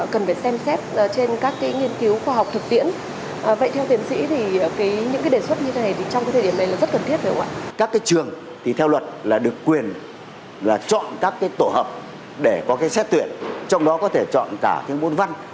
các trường theo luật được quyền chọn các tổ hợp để có xét tuyển trong đó có thể chọn cả bốn văn